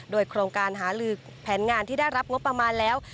โดยโครงการหาลือแผนงานที่ได้รับงบประมาณแล้ว